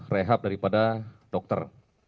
rehab daripada dokter